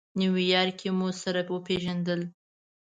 نیویارک کې مو سره وپېژندل.